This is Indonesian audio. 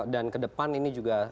dan kedepan ini juga